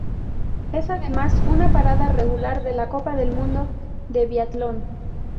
Es además una parada regular de la Copa del Mundo de biatlón.